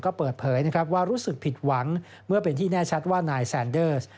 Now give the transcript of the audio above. ก็เปิดเผยนะครับว่ารู้สึกผิดหวังเมื่อเป็นที่แน่ชัดว่านายแซนเดอร์ส